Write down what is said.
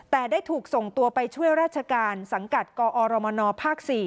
แต่ได้ถูกส่งตัวไปช่วยราชการสังกัดกอรมนภ๔